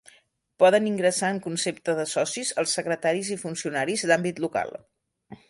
Poden ingressar en concepte de socis els secretaris i funcionaris d’àmbit local.